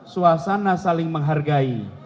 suasana saling menghargai